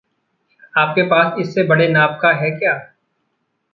आपके पास इससे बड़े नाप का है क्या?